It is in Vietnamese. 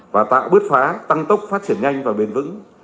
và tạo bước phá tăng tốc phát triển nhanh và bền vững